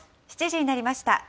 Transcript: ７時になりました。